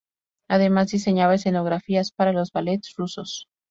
Además, diseñaba escenografías para los ballets rusos.